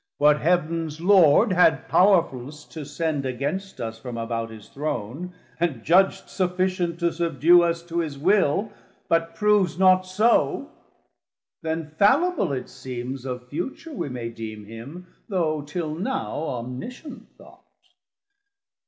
What Heavens Lord had powerfullest to send Against us from about his Throne, and judg'd Sufficient to subdue us to his will, But proves not so: then fallible, it seems, Of future we may deem him, though till now Omniscient thought.